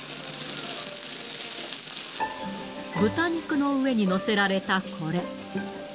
豚肉の上に載せられたこれ。